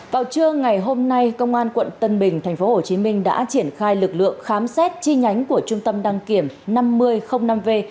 vào trưa ngày hôm nay công an quận tân bình tp hcm đã triển khai lực lượng khám xét chi nhánh của trung tâm đăng kiểm năm v